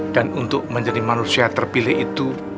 dan untuk menjadi manusia terpilih itu